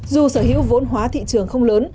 dù sở hữu vốn hóa thị trường không lớn